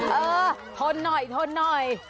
เออทนหน่อยทนหน่อย